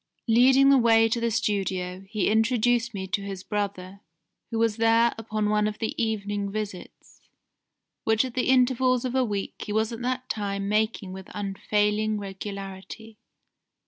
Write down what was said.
Leading the way to the studio, he introduced me to his brother, who was there upon one of the evening visits, which at intervals of a week he was at that time making with unfailing regularity.